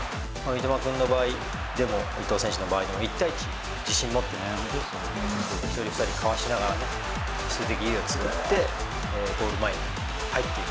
三笘君の場合でも、伊東選手の場合でも、１対１に自信持ってね、１人、２人かわしながら、数的優位を作って、ゴール前に入っていく。